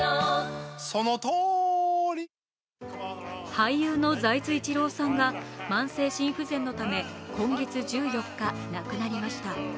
俳優の財津一郎さんが慢性心不全のため今月１４日、亡くなりました。